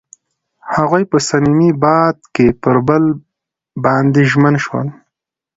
هغوی په صمیمي باد کې پر بل باندې ژمن شول.